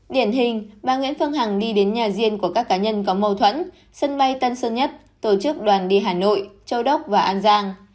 điển hình bà nguyễn phương hằng đi đến nhà riêng của các cá nhân có mâu thuẫn sân bay tân sơn nhất tổ chức đoàn đi hà nội châu đốc và an giang